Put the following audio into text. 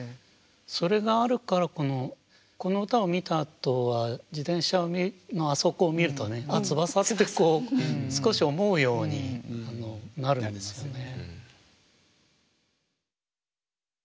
それがあるからこの歌を見たあとは自転車のあそこを見るとね「あっ翼」ってこう少し思うようになるんですよね。